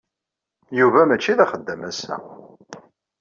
Yuba mačči d axeddam ass-a.